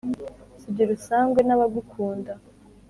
Sugira usangwe n'abagukunda.